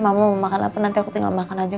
gak mau makan apa nanti aku tinggal makan aja